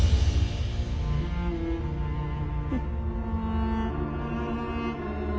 うん。